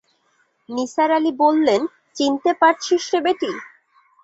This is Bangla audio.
নিসার আলি বললেন, চিনতে পারছিস রে বেটি?